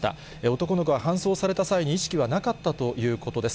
男の子は搬送された際に意識はなかったということです。